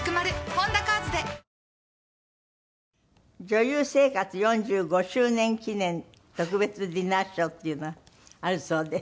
女優生活４５周年記念特別ディナーショーっていうのがあるそうで。